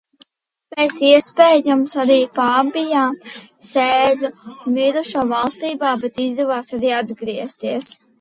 Mēs, iespējams, arī pabijām sēļu mirušo valstībā, bet izdevās arī atgriezties.